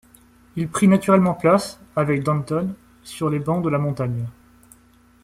Il prit naturellement place, avec Danton, sur les bancs de la Montagne.